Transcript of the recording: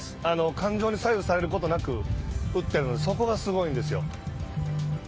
感情に左右されることなく打っているのでそこがすごいんですよ。